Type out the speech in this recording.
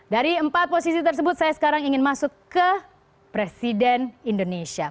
dari empat posisi tersebut saya sekarang ingin masuk ke presiden indonesia